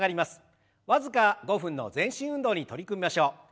僅か５分の全身運動に取り組みましょう。